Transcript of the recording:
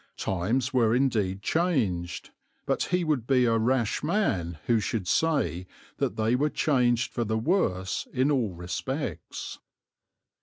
Times were indeed changed; but he would be a rash man who should say that they were changed for the worse in all respects.